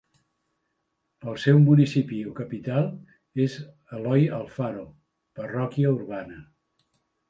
El seu municipi o capital és Eloy Alfaro, parròquia urbana.